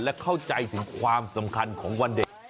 และเข้าใจถึงความสำคัญของวันเด็ก